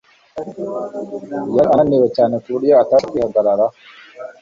yari ananiwe cyane ku buryo atashoboraga kwihagararaho